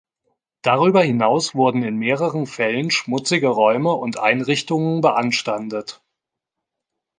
Darüber hinaus wurden in mehreren Fällen schmutzige Räume und Einrichtungen beanstandet.